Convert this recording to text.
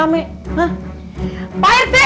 ada apa ini teh rame rame